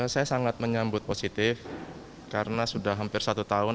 saya sangat menyambut positif karena sudah hampir satu tahun